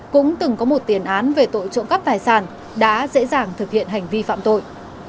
cũng từng có một tiền án về tội trộm cắp tài sản đã dễ dàng thực hiện hành vi phạm tội